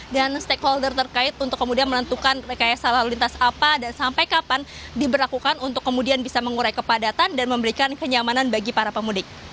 dan stakeholder terkait untuk kemudian menentukan rekayasa lalu lintas apa dan sampai kapan diberlakukan untuk kemudian bisa mengurai kepadatan dan memberikan kenyamanan bagi para pemudik